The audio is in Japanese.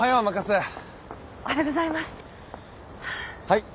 はい。